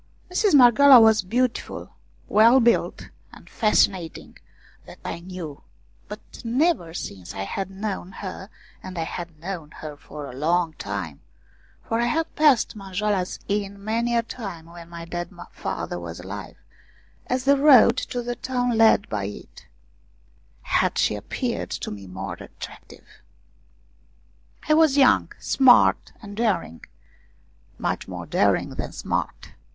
Mistress Marghioala was beautiful, well built and fascinating, that I knew ; but never since I had known her and I had known her for a long time, for I had passed Manjoala's Inn many a time when my dead father was alive, as the road to the town led by it had she appeared to me more attractive. I was young, smart and daring, much more daring than smart.